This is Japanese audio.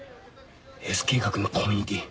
Ｓ計画のコミュニティー